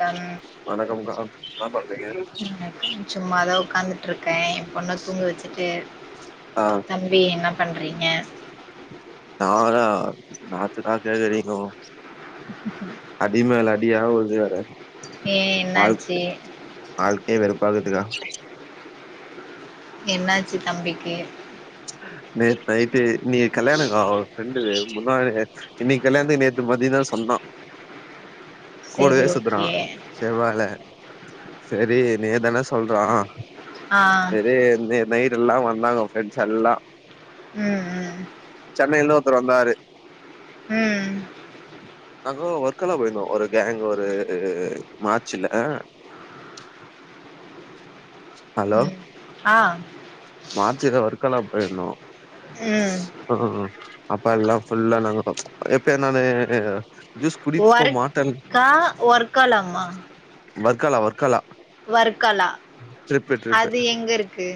Come வணக்கம் கா என்ன பண்றீங்க சும்மா தா உக்காந்துட்டு இருக்கே எ பொண்ண தூங்க வெச்சுட்டு ஆ [inaudible] பி என்ன பண்றீங்க நானா நாத்துதா கேக்குறீங்கோ [inaudible] டி மேல அடியா உழுது வேற ஏ வாழ்க் என்னாச்சு வாழ்க்கையே வெறுப்பாகுதுக்கா என்னாச்சு தம்பிக்கு நேத்து நைட்டே நீங்க கல்யாண காவ் ஃப்ரெண்டுது முந்தா நேத்து இன்னிக்கு கல்யாணத்துக்கு நேத்து மதியந்தா சொன்னா கூடவே சேரி சுத்துறா ஓகே செவ்வால செரி நீங்கதான சொல்றா ஆ செரி இந்தய நைட் எல்லா வந்தாங்க ஃப்ரெண்ட்ஸ் எல்லா ம் ம் சென்னையில ஒருத்தர் வந்தாரு ம் நாங்கலா வொர்க்கெல்லா போயிருந்தோ ஒரு கேங் ஒரு மார்ச்ல ஆ ஹலோ ம் ஆ மார்ச்சிதா வர்க்கெல்லா போயிருந்தோ ம் ம் அப்ப எல்லா ஃபுல்லா நாங்கோதா எப்பய் நானு ஜூஸ் குடிப்போ மாட்டல் ஒர்க்கா ஒர்க்காலாமா வர்க்கலா வர்க்கலா வர்க்கலா ட்ரிப்பு ட்ரிப்பு அது எங்கருக்கு?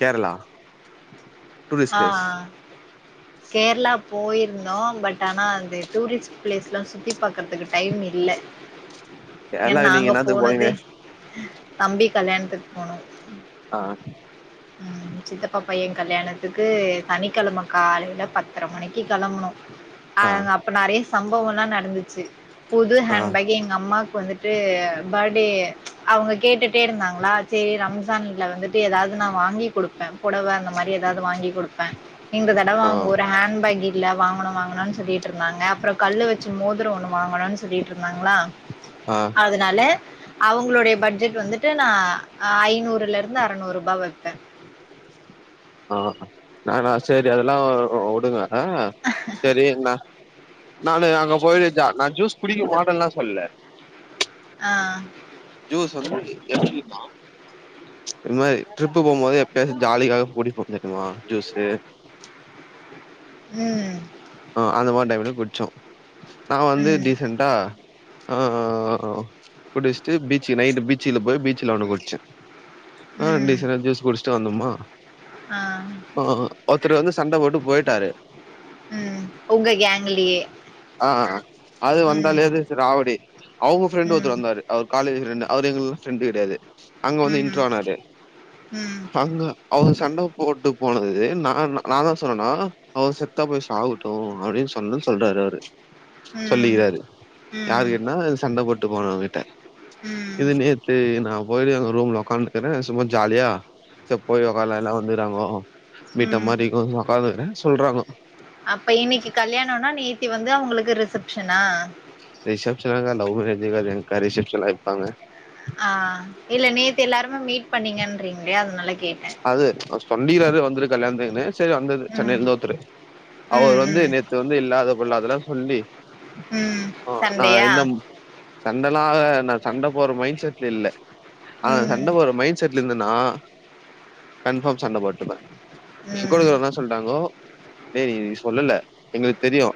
கேரளா டூரிஸ்ட் ஆ பிளேஸ் அ கேர்ளா போயிருந்தோ பட் ஆனா அந்த டூரிஸ்ட் பிளேஸ்லா சுத்தி பாக்குறதுக்கு டைம் இல்ல கேரளா ஏன் நீங்க நாங்க என்னாத்துக்கு போனீங்க போனதெ தம்பி கல்யாணத்துக்கு போனோ ஆ ம் சித்தப்பா பைய கல்யாணத்துக்கு சனிக்கெழம காலைல பத்தர மணிக்கு கெளம்புனோ அ ஆ ங்க அப்ப நெறைய சம்பவல்லா நடந்துச்சு புது ஆ ஹேண்ட்பேக் எங்க அம்மாக்கு வந்துட் டு பர்டே அவங்க கேட்டுட்டே இருந்தாங்களா சரி ரம்ஸான்ல வந்துட்டு எதாவ்து நா வாங்கி குடுப்பே பொடவ அந்த மாரி எதாவ்து வாங்கி குடுப்பே இந்த தடவ ஆ அவங்க ஒரு ஹேண்ட பேகி கில்ல வாங்கணு வாங்கணுனு சொல்லிட்டுருந்தாங்க அப்றோ கல்லு வச்ச மோதுரோ ஒன்னு வாங்கணுனு சொல்லிட்டு இருந்தாங்களா ஆ அதுனால அவங்களுடைய பட்ஜெட் வந்துட்டு நா ஐநூறுலே இருந்து அறநூறுபா வைப்பே ஆ நானா சரி அதெல்லா வுடுங்க ஆ சரி நா நானு அங்க போயிட்டு ஜ நா ஜூஸ் குடிக்க மாட்டேன்லா சொல்ல ஆ ஜூஸ் வந்து எப்டினா இந் மாரி ட்ரிப் போகும்போது எப்பயாச்சு ஜாலிக்காக குடிப்போ தெரியுமா ஜூஸு ம் ஆ அந்த மாரி டைம்ல குடிச்சோ நா வந்து ம். டீசன் டா ஆ குடிச்சிட்டு பீச்சுக் நைட்டு பீச்ல போய் பீச்ல ஒன்னு குடிச்ச ஆ ம். டீசன்டா ஜூஸ் குடிச்ட்டு வந்தம்மா ஆ ஆ ஒருத்தரு வந்து சண்ட போட்டு பொயிட்டாரு ம் உங்க கேங்குலயே ஆ அது வந்தாலேது ராவுடி அவங்க ஃப்ரெண்டு் ஒருத்தர் ம். வந்தாரு அவர் காலேஜ் ஃப்ரெண்ட் அவரு எங்களுக்கு ஃப்ரெண்டு் கெடையாது அங்க ம். வந்து ம். இன்றோ ஆனாரு ம். அங்க அவங்க சண்ட போட்டு போனது நான்னா நா என்னா சொன்னேனா அவர் செத்தா போயிருச் சாகட்டு அப்டின்னு சொன்னேனு சொல்றாரு அவரு ம். சொல்லிக்கிறாரு ம். யாருகிட்டனா சண்ட போட்டு போனவங்க கிட்ட ம். இது நேத் த்து நா போயி அங்க ரூம்ல உக்கான்ட்டு இருக்கிறே சும்மா ஜாலியா சேர் போய் உக்கார்லா எல்லா வந்து இக்குறாங்கோ வீட்டு மாறி உக்காந்துக்கிறே சொல்றாங்க அப்ப இன்னைக்கு கல்யாணம்னா நேத்தி வந்து அவங்களுக்கு ரிசப்ஷனா ரிசப்ஷன் எல்லா இல்ல லவ் மேரேஜ் கல்யாணோக்கா ரிசப்ஷன்லா வெப்பாங்க ஆ இல்ல நேத்து எல்லாருமே மீட் பண்ணீங்கன்றீங்களே அதனால கேட்டே அது சொல்லிறாறு வந்துரு கல்யாணத்துக்குன்னு [unintelligible] வந்தது சென்னைல ம். இருந்து ஒருத்துரு ம். அவர் வந்து ம். நேத்து வந்து இல்லாத பொள்ளாதெல்லா சொல்லி ம் ஆ நா சண்டையா இந்த சண்டலா ஆகாது நா சண்ட போட்ற மைண்ட் செட்ல இல்ல ஆனா சண்ட ம். போட்ற மைண்ட் செட்ல இருந்தனா கன்பார்ம் சண்ட போட்டுருப்பே ஏ கூட ம். இருக்கிறவங்க என்ன சொல்லிட்டாங்கோ டேய் நீ சொல்லல எங்களுக்கு தெரியு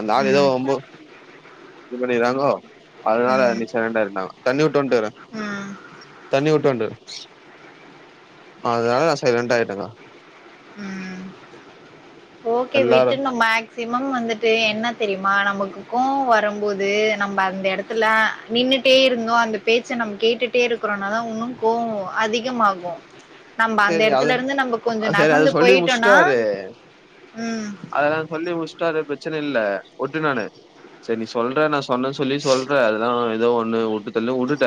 அந்த ம். ஆள் ஏதோ ம். வம்பு இது பண்ணிக்குறாங்கோ அதனால ம். நீ சைலண்ட்டா இருன்டாங்கோ தண்ணி வுட்டுவந்துட்டாரு ம். தண்ணி வுட்டுவந்துட்டாரு அதனால நா சைலண்ட்டா ஆயிட்டேங்கா ம் ஓகே எல்லாரு [unintelligible] க்சிமம் வந்துட்டு என்ன தெரியுமா நமக்கு கோபம் வரும்போது நம்ம அந்த எடத்து த்துல நின்னுட்டே இருந்தோ அந்த பேச்ச நம்ம கேட்டுட்டே இருக்கிறோன்னாதா வுன்னு கோவோ அதிகமாகு நம்ம அந்த சேரி அது எடத்துல இருந்து நம்ம கொஞ்சோ ந சேரி அது சொல்லி போயிட்டோனா முடிச்சுட்டாரு ம் அதெல்லா சொல்லி முடிச்சிட்டாரு பிரச்சன இல்ல வுட்டே நானு செரி நீ சொல்ற நா சொன்னேன்னு சொல்லி சொல்ற அதெல்லா ஏதோ ஒண்ணு வுட்டுதள்ளு வுட்டுட்ட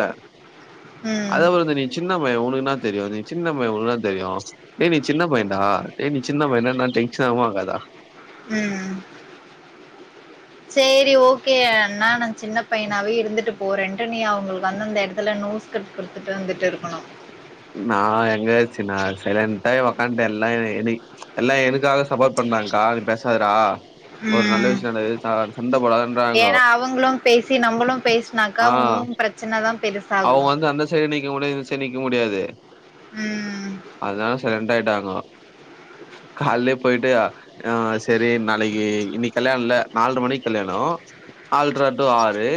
ம், அதே வந்து நீ சின்ன பைய உனக்கு என்ன தெரியு நீ சின்ன உனக்கு என்ன தெரியு டேய் நீ சின்ன பையன்டா ஏய் நீ சின்ன பையன்டானா டென்ஷன் ஆகுமா ஆகாத ம் சேரி ஓகே நானு சின்ன பையனாவே இருந்துட்டு போறேன்ட்டு நீ அவங்களுக்கு வந்து அந்த எடத்துல நோஸ் கட் குடுத்துட்டு வந்துட்டு இருக்கணு நா எங்கயாச்சு நா சைலண்டா் ஆகி உக்கான்ட்டே எல்லா என்னி எல்லா எனக்காக சப்போட் பண்ணாங்க்கா நீ பேசாதடா ஒரு நல்ல ம் விஷயம் நடக்குது ச சண்ட போடாதன்றாங்கோ. ஏனா அவங்களு பேசி நம்பளு பேசுனாக்கா ஆ உன்னு பிரச் ச்சன தா பெருசாகு செரி நிக்க முடியாது செரி நிக்க முடியாது ம் அதா சைலண்ட் ஆயிட்டாங்கோ கால்லயே போய்ட்டு ஆ செரி நாளைக்கி இன்னக்கி கல்யாணோல்ல நால்ர மணிக்கு கல்யாணோ நால்ர டூ ஆறு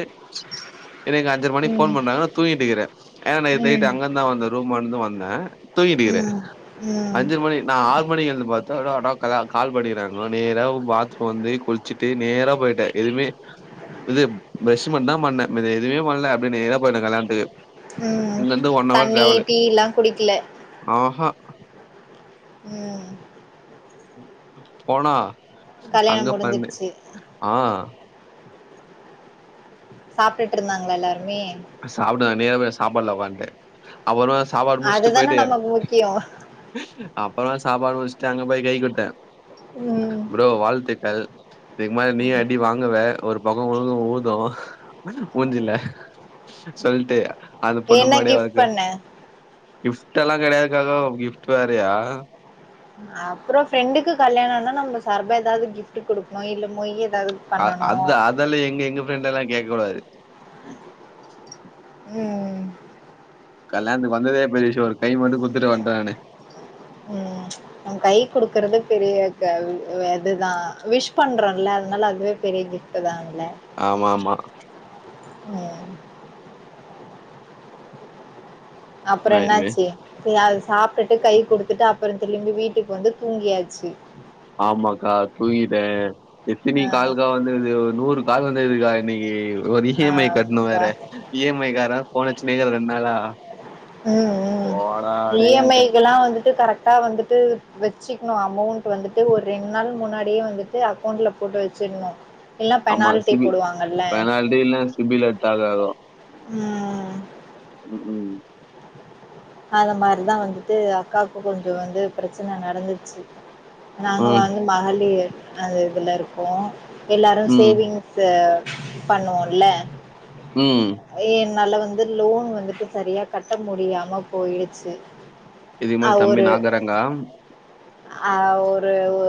எனக் அஞ்சர மணிக்கு ம் போன் பண்ணாங்க நா தூங்கிட்டு இக்கிறே ஏன்னா ம் நேத்து நைட்டு ம் அங்க இருந்துதா வந்தே ரூம் இருந்து வந்தே தூங்கிட்டுக்கிறே ம் அஞ்சர மணி நா ஆறு மணிக்கு வந்து பாத்தே [unintelligible] கால் பண்ணியிருக்காங்க நேர பாத்ரூம் வந்து குளி ச்சிட்டு நேரா போயிட்டே எதுமே இது பிரஷ் மட்டு தா பண்ணே மீதி எதுமே பண்ணல அப்டியே நேரா போய்ட்டே கல்யாணத்துக்கு ம் இங்கேருந்து தண்ணி டீ இல்லா குடிக்கல ஹஹா ம் போனா அங்க கல்யாணம் பண்ணு முடிஞ்சிருச்சு ஆ சாப்டுட்டு இருந்தாங்களா எல்லாருமே சாப்பிட நா நேர போய் சாப்பாடுல உக்காந்துட்டே அப்புறமா சாப்பாடு முடிச்சிட்டு அதுதான போயிட்டு நமக்கு முக்கியோ அப்புறமா சாப்பாடு முடிச்சிட்டு அங்க போய் கை குடுத்தே ம் ப்ரோ வாழ்த்துக்கள் இதுக்கு மேல நீயு அடி வாங்குவ ஒரு பக்கோ உழுது ஊது மூஞ்சில சொல்ட்டு அது என்ன பண்னுமாடே கிஃப்ட் வாக பண்ண கிஃப்டெல்லா கெடையாதுக்கா காவ் கிஃப்ட் வேறயா அப்றோ ஃப்ரெண்டுக்கு கல்யாணோனா நம்ம சர்பா எதாது கிஃப்டு குடுப்போ இல்ல மொய் எதாவது அ அத் அதெல்லா எங்க எங்க ஃரெண்டலா கேக்க கூடாது ம் கல்யாணத்துக்கு வந்ததே பெரிய விஷ்யோ ஒரு கை மட்டு குடுத்துட்டு வந்டே நானு ம் உ கை குடுக்குறது பெரிய க வெதுதா விஷ் பண்றோல்ல அதுனால அதுவே பெரிய கிஃப் டு தால்ல ஆமா ஆமா ம் அப்றோ நான் இனிமே, என்னாச்சி ஏ அது சாப்டுட்டு கை குடுத்துட்டு அப்பறோ திரும்பி வீட்டுக்கு வந்து தூங்கியாச்சு ஆமாக்கா தூங்கிட்டே எத்தினி ஆ கால்கா வந்துது ஒரு நூறு கால் வந்துது கா இன்னைக்கி ஒரு இ ஆ எம் ஐ கட்ணு அப்பா வேற இ எம் ஐ கார ஃபோன் அடிச்சினே இருக்குறா ரெண்நாளா ம் ம் இ எம் ஐ டேன்ட்டேன். க்குலா வந்துட்டு கரெக்டா வந்து ட்டு வச்சுக்ணு அமௌண்டு வந்துட்டு ஒரு ரெண் நாள் முன்னாடியே வந்துட்டு அக்கௌண்ட்ல போட்டு வச்சிட்ணு இல்ல பெனால்ட்டி போடுவாங்கல்ல இதுல்லா சிபில எத்தாதாகோ ம் ம் ம் அத மாரிதா வந்துட்டு அக்காவுக்கு கொஞ்சோ வந்து ப்ரெச்சன நடந்துச்சு நாங்க ம், வாங்கு மகளிர் அந்த இதுல இருக்கோ எல்லாரு ம், சேவிங் த பண்ணுவோல்ல ம் என்னால வந்து லோன் வந்துட்டு செரியா கட்ட முடியாம போயிடுச்சு இதுக்கு அ மேல தம்பி ஒரு நா தரங்கா அ ஒரு ஒ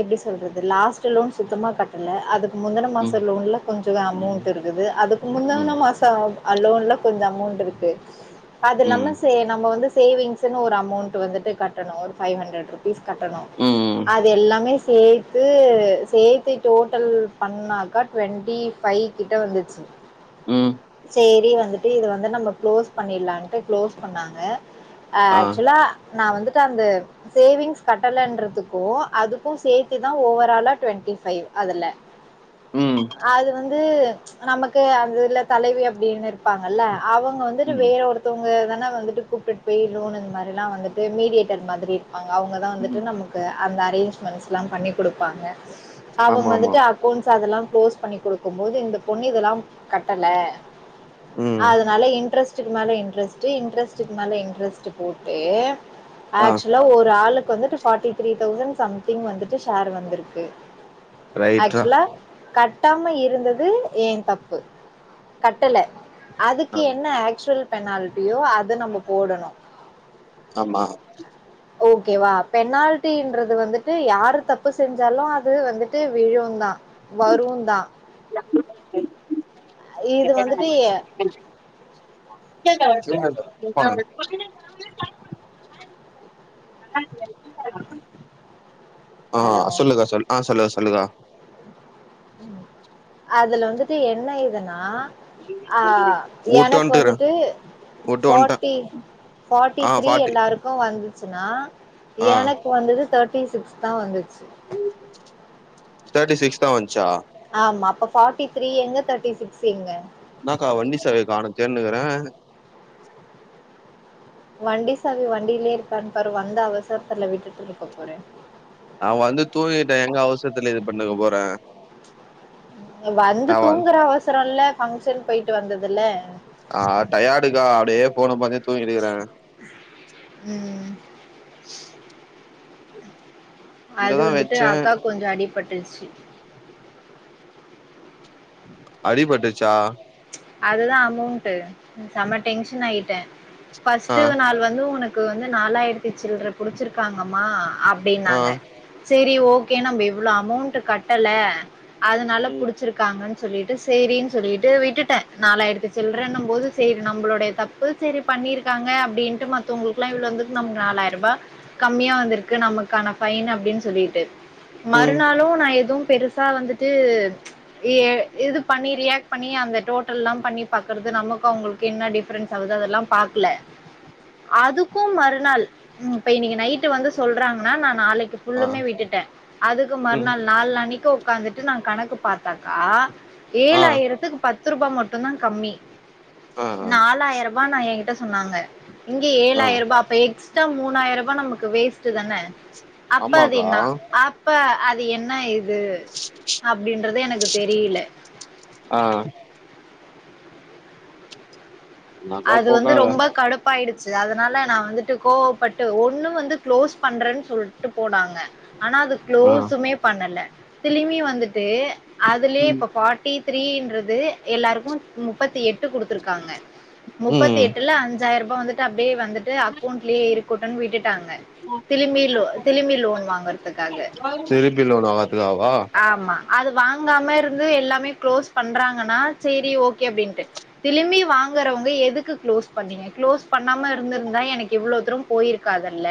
எப்டி சொல்றது லாஸ்டு லோன் சுத்தமா கட்டல அது முந்தன ம், மாச லோன்ல கொஞ்ச ம், அமௌண்ட் இருக்குது அதுக்கு முந்தன ம், மாச லோன்ல கொஞ்ச அமௌண்ட் இருக்கு அது இல்லாம ம், சே நம்ம வந்து சேவிங்ஸ்னு ஒரு அமௌண்ட் வந்துட்டு கட்டணு ஒரு ஃபை ஹண்ட்ரெட் ஃபீஸ் கட்டணு ம், அது எல்லாமே சே த்து சேத்து டோட்டல் பண்ணாக்கா டுவெண்ட்டி ஃபைவ் கிட்ட வந்துச்சு ம் செரி வந்துட்டு இது வந்து நம்ம க்ளோஸ் பண்ணிடலான்டு க்ளோஸ் பண்ணாங்க அ ஆ, ஆக்சுலா நா வந்துட்டு அந்த சேவிங்ஸ் கட்டலன்றதுக்கு அதுக்கு சேத்துதா ஓவராலா டுவெண்ட்டி ஃபைவ் அதுல ம், அது வந் ந்து நமக்கு அதுல தலைவி அப்டின்னு இருப்பாங்கல்ல அவங்க வந்துட்டு ம், வேற ஒரு த்தோங்க தான வந்துட்டு கூப்ட்டுட்டு போய் லோனு இந் மாரிலா வந்துட்டு மீடியேட்டர் மாதிரி பாங்க அவுங்கதா வந்துட்டு ம். நமக்கு அந்த அரேஞ்மெண்ட்ஸ்லா பண்ணி குடுப்பாங்க அவங்க ஆமாமா. வந்துட்டு அக்கோண்ட்ஸ் அதலா க்ளோஸ் பண்ணி குடுக்கும்போது இந்த பொண்ணு இதலா கட்டல ம். அதனால இன்ட்ரஸ்ட்டுக்கு மேல இன்ட்ரஸ்ட்டு இன்ட்ரஸ்ட் ஸ்ட்க்கு மேல இன்ட்ரஸ்ட்டு போட்டு ஆ ஆக்சுவலா ஒரு ஆளுக்கு வந்துட்டு ஃபாட்டி த்ரீ தௌசண்ட் சம்திங் வந்துட்டு ஷேர் வந்துருக்கு ரைட்ரா. ஆக்சுலா கட்டாம இருந்தது ஏன் தப்பு கட்டல ஆ, அதுக்கு என்ன ஆக்சுவல் பெனால்ட்டியோ அத நம்ம போடணு ஆமா ஓகேவா பெனால்டின்றது வந்துட்டு யாரு தப்பு செஞ்சாலு அது வந்துட்டு விழுந்தா வருந்தா [inaudible] அ இது வந்துட்டு நல்லாருக்கியா ஆ ஹலோ சொல்லுங் சொல் ஆ சொல்லுங்க சொல்லுங்க அதுல வந்துட்டு என்ன இதுனா ஆ ஓட்டு எனக்கு வன்ட்டுக்கறே வந்துட்டு ஓட்டு வன்ட்டே ஃபோட்டின் ஃபாட்டி ஆ த்ரீ ஃபார்ட்டி எல்லாரு க்கு வந்துச்சுன்னா ஆ எனக்கு வந்துது தேட்டி சிக்ஸ் தா வந்துச்சு தேட்டி சிக்ஸ் தா வந்ச்சா ஆமா அப்ப ஃபாட்டி த்ரீ எங்க தேட்டி சிக்ஸ் எங்க இன்னாக்கா வண்டி சாவிய காணு தேன்னுக்குறே வண்டி சாவி வண்டிலே இருக்கான் பாரு வந்த அவசரத்துல விட்டுட்ருக்க போற நா வந்து தூங்கிட்டே எங்க அவசரத்துல இது பண்ண போற வந்து தூங்குற அவசரல்ல பங்க்ஷன் போயிட்டு வந்ததுல கா டயாடுக்கா அப்டியே ஃபோன பாத்தே தூங்கிடுக்குறே ம் அது இங்கதா வந்துட்டு வெச்சே அக்காக் கொஞ்சோ அடிபட்டுருச்சு அடிபட்டுச்சா அதுதா அமௌன்ட்டு செம்ம டென்ஷன் ஆயிட்டே ஆ ஃபஸ்ட்டு நாள் வந்து உனக் கு வந்து நாலாயிரத்து சில்ற புடிச்சிருக்காங்கம்மா ஆ அப்டின்னாங்க செரி ஓகே நம்ம இவ்ளோ அமௌன்ட்டு கட்டல அதனால ம் புடிச்சிருக் காங்கன் சொல்லிட்டு சேரின் சொல்லிட்டு விட் விட்டுட்ட நாலாயிரத்து சில்றன்னம்போது சேரி நம்பளுடைய தப்பு சேரி பண்ணிருக்காங்க அப்டின்ட்டு மத் தோங்குளுக்குலா இவ்ளோ வந்துருக்கு நமக்கு நாலாயிரூபா கம்மியா வந்துருக்கு நமக்கான ஃபைன் அப்டின் சொல்லிட்டு ம் மறுநாளு நா எது பெருசா வந்துட் ட்டு ஏ இது பண்ணி ரியாக்ட் பண்ணி அந்த டோட்டல்லா பண்ணி பாக்குறது நமக்கு அவுங்களுக்கு என்ன டிஃப்ரென்ஸ் ஆகுது அதெல்லா பாக்ல அதுக்கு மறுநாள் இப்ப இன்னைக்கு நைட்டு வந்து சொல்றாங்கனா நா நாளைக்கு ஆ ஃபுல்லுமே விட்டுட்டே அதுக்கு ம் மறுநாள் நாலானைக்கு ஒக்காந்துட்டு நா கணக்கு பாத்தாக்கா ஆ ஏழாயிரத்துக்கு பத்துருபா மட்டுந்தா கம்மி ஆ ஆ நாலாயிருபா நா ஏங்கிட்ட சொன்னாங்க இங்க ஆ ஏழாயிருபா அப்ப எக்ஸ்ட்ரா மூணாயருபா நமக்கு வேஸ்ட்டு தான ஆமாக்கா அப்பாவின்னா அப்பே அது என்ன இது இது அப்டின்றது எனக்கு தெரில ஆ என்னாக்கா அது வந்து போக்காத ரொம்ப கடுப் சிலிப்பாயிடுச்சு அதனால நா வந்துட்டு கோவபட்டு ஒன்னு வந்து க்ளோஸ் பண்றேன்னு சொல்ட்டு போனாங்க ஆனா அது ஆ க்ளோசுமே பண்ணல இதுலையுமே வந்துட்டு அதுலையே ம் இப்ப பா ஃபார்டி த்ரீன்றது எல்லாருக்கு முப்பத்தி எட்டு குடுத்துருக்காங்க முப்பத்தி ம் எட்டுல அந் அஞ்சாயிர ரூபா வந்துட்டு அப்டியே வந்துட்டு அக்கௌன்ட்லேயே இருக்கட்டோன் விட்டுட்டாங்க திலுமி லோ திலுமி லோன் வாங்கறதுக்காக திருப்பி லோன் வாங்கறதுக்காவா ஆமா அது வாங்காம இருந்து எல்லாமே க்ளோஸ் பண்றாங்கன்னா சேரி ஓகே அப்டின்ட்டு திலுமி வாங்குறவங் எதுக்கு க்ளோஸ் பண்ணீங்க க்ளோஸ் பண்ணாம இருந்திருந்தா எனக்கு இவ்ளோ தூரம் போயிருக்காதல்ல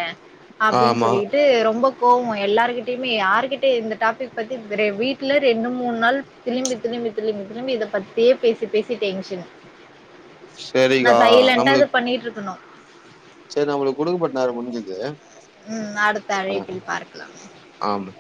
அப்டின் ஆமா சொல்லிட்டு ரொம்ப போவோ எல்லார்கிட்டயுமே யார்கிட்டயு இந்த டாபிக் பத்தி ரெ வீட்டுல ரெண்டு மூண் நாள் திரும்பி திரும்பி திரும்பி திரும்பி இத பத்தியே பேசி பேசி டென்ஷனு நா சரிக்கா சைலன்ட்டா இத பண்ணிட்டு இருக்கணு சேரி நமக்கு குடுக்கப்பட்ட நேரோ முடிஞ்சிது ம் அடுத்த அழைப்பில் பார்க்கலாம் ஆமா